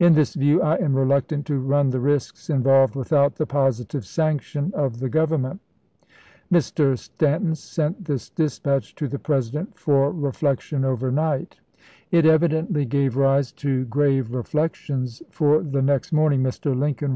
In this view I am reluctant to run the risks involved without the positive sanction of the Grovernment." Mr. Stanton sent this dispatch to the President " for reflection overnight." It evidently gave rise to 1863. THE LINE OF THE EAPIDAN 235 grave reflections, for the next morning Mr. Lincoln chap.